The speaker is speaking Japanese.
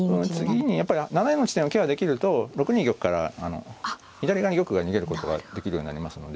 次にやっぱり７四の地点をケアできると６二玉から左側に玉が逃げることができるようになりますので。